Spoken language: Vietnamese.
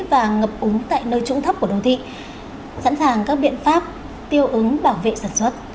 và ngập úng tại nơi trụng thấp của đô thị sẵn sàng các biện pháp tiêu ứng bảo vệ sản xuất